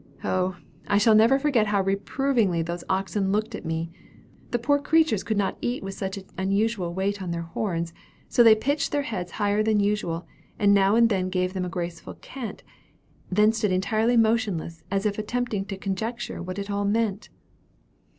Oh! I shall never forget how reprovingly those oxen looked at me. The poor creatures could not eat with such an unusual weight on their horns, so they pitched their heads higher than usual, and now and then gave them a graceful cant, then stood entirely motionless, as if attempting to conjecture what it all meant.